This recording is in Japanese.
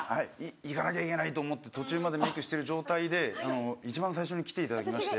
行かなきゃいけないと思って途中までメークしてる状態で一番最初に来ていただきまして。